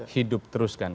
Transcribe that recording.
hidup terus kan